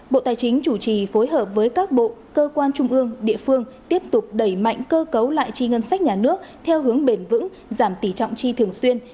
bộ tài chính chủ trì phối hợp với các bộ cơ quan trung ương địa phương tiếp tục đẩy mạnh cơ cấu lại chi ngân sách nhà nước theo hướng bền vững giảm tỉ trọng chi thường xuyên